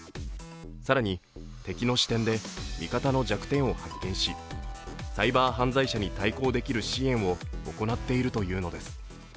更に敵の視点で味方の弱点を発見し、サイバー犯罪者に対抗できる支援を行っているというのです。